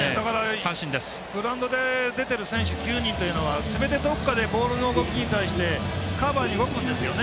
グラウンドで出ている選手９人というのはすべてどこかでボールの動きに対してカバーに動くんですよね。